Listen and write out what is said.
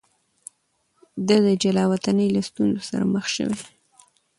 ده د جلاوطنۍ له ستونزو سره مخ شوی.